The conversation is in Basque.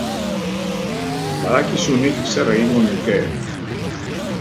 Badakizu nik zer egingo nukeen...